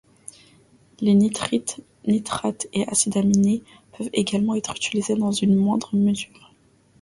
Les nitrites, nitrates et acides aminés peuvent également être utilisés dans une moindre mesure.